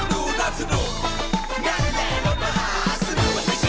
รถมหาสนุก